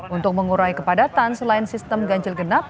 untuk mengurai kepadatan selain sistem ganjil genap